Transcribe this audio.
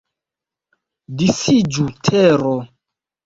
Disiĝu, tero!